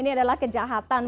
ini adalah kejahatan